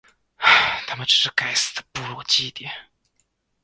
它们只是该死的部落祭典。